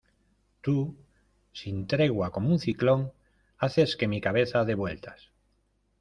Tú, sin tregua como un ciclón, haces que mi cabeza dé vueltas